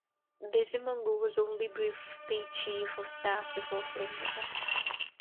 Bizimungu was only briefly chief of staff before fleeing the country.